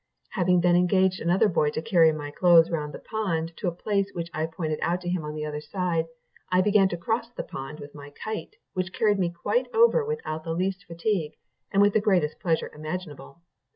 Having then engaged another boy to carry my clothes round the pond, to a place which I pointed out to him on the other side, I began to cross the pond with my kite, which carried me quite over without the least fatigue, and with the greatest pleasure imaginable.